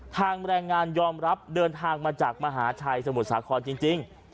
แรงงานยอมรับเดินทางมาจากมหาชัยสมุทรสาครจริง